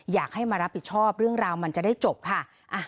อยากให้มารับผิดชอบเรื่องราวมันจะได้จบค่ะ